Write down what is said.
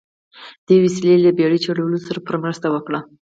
دې وسیلې له بیړۍ چلولو سره پوره مرسته وکړه.